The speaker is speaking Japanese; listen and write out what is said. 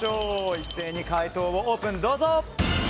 一斉に解答をオープン。